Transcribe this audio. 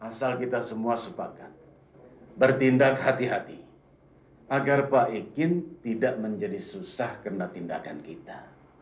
asal kita semua sepakat bertindak hati hati agar pak ekin tidak menjadi susah karena tindakan kita